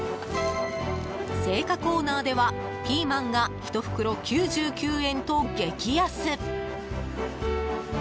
青果コーナーではピーマンが１袋９９円と激安！